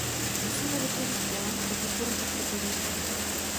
Musíme vytvořit plán pro podporu těchto podniků.